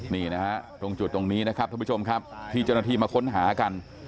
นี่นะฮะตรงจุดตรงนี้นะครับท่านผู้ชมครับที่เจ้าหน้าที่มาค้นหากัน